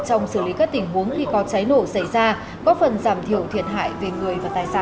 trong xử lý các tình huống khi có cháy nổ xảy ra có phần giảm thiểu thiệt hại về người và tài sản